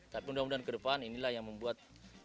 tapi mudah mudahan ke depan inilah yang membuat